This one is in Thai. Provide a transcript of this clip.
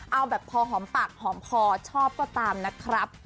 เอาแบบพอหอมปากหอมคอชอบก็ตามนะครับ